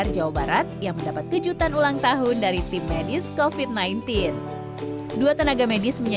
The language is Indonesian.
syukur disampaikan cinta melalui akun jejaring sosial miliknya